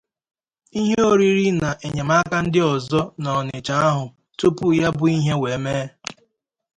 ihe oriri na ihe enyemaka ndị ọzọ n'Onitsha ahụ tupu ya bụ ihe wee mee